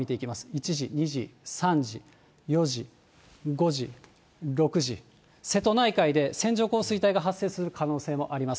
１時、２時、３時、４時、５時、６時、瀬戸内海で線状降水帯が発生する可能性もあります。